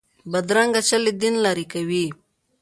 بدرنګه چل له دین لرې کوي